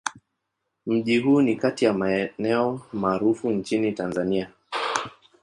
Mji huu ni kati ya maeneo maarufu nchini Tanzania.